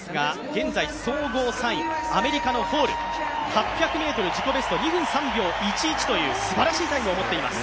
現在、総合３位、アメリカのホール８００ｍ、自己ベスト、２分３秒１１というすばらしいタイムを持っています。